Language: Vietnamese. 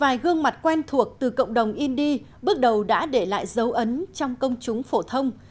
vài gương mặt quen thuộc từ cộng đồng indi bước đầu đã để lại dấu ấn trong công chúng phổ thông